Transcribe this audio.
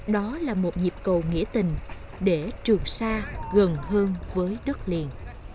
đó là một nhịp cầu nghĩa tình để trường sa gần hơn với đất liền